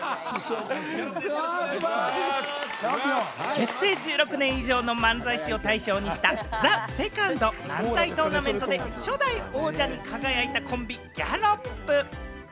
平成１６年以上の漫才師を対象にした、『ＴＨＥＳＥＣＯＮＤ漫才トーナメント』で初代王者に輝いたコンビ・ギャロップ。